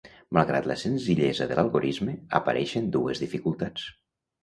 Malgrat la senzillesa de l'algorisme, apareixen dues dificultats.